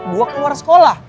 gue keluar sekolah